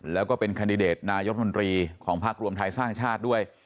แล้วก็เป็นคันดิเดตนายรัฐมนตรีของพักรวมไทยสร้างชาติด้วย